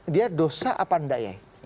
dia dosa apa tidak